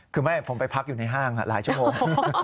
คือไม่ผมไปพักอยู่ในห้างหลายชั่วโมง